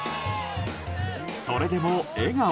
それでも笑顔。